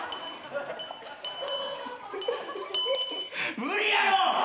無理やろ！